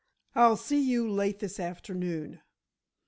I'll see you late this afternoon."